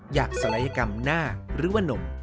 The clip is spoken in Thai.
อยากสลัยกรรมหน้าหรือนม